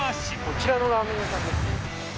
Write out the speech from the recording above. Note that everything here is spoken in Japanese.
こちらのラーメン屋さんですね。